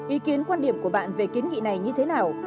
ý kiến quan điểm của bạn về kiến nghị này như thế nào